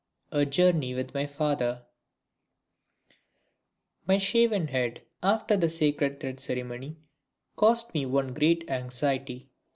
(14) A journey with my Father My shaven head after the sacred thread ceremony caused me one great anxiety.